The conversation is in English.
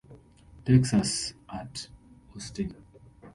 Texas at Austin.